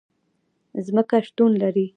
ځمکه شتون لري